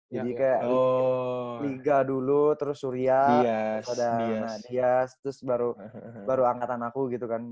jadi kayak liga dulu terus surya kemudian madias terus baru angkatan aku gitu kan